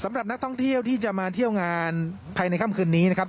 สำหรับนักท่องเที่ยวที่จะมาเที่ยวงานภายในค่ำคืนนี้นะครับ